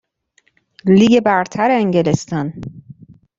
لیگ برتر انگلستان